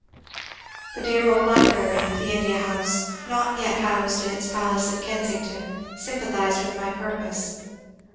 The dear old librarian of the India House, not yet housed in its palace at Kensington, sympathized with my purpose.